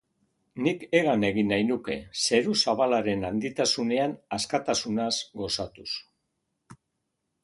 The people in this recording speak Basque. Nik hegan egin nahi nuke, zeru zabalaren handitasunean askatasunaz gozatuz.